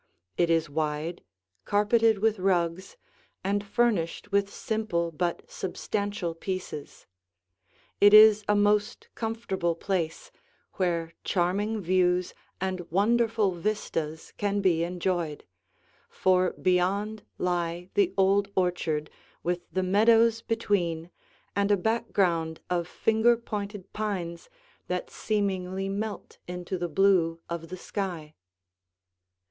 It is wide, carpeted with rugs, and furnished with simple but substantial pieces. It is a most comfortable place, where charming views and wonderful vistas can be enjoyed, for beyond lie the old orchard with the meadows between and a background of finger pointed pines that seemingly melt into the blue of the sky.